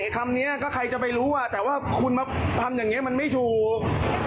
คำนี้ก็ใครจะไปรู้แต่ว่าคุณมาทำอย่างนี้มันไม่ถูก